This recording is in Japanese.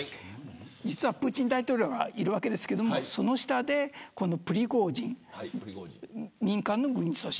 実はプーチン大統領がいるわけですがその下でプリゴジン民間の軍事組織。